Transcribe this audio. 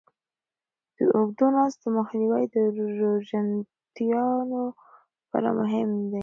د اوږدو ناستو مخنیوی د روژهتیانو لپاره مهم دی.